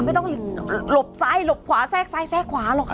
ไม่ต้องหลบซ้ายหลบขวาแทรกซ้ายแทรกขวาหรอกค่ะ